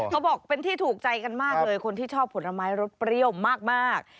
เขาบอกเป็นที่ถูกใจกันมากเลยคนที่ชอบผลไม้รสเปรี้ยวมาก